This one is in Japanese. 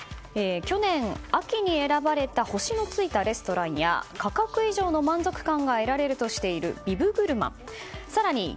その内容は、去年秋に選ばれた星のついたレストランや価格以上の満足感が得られるとしているビブグルマン。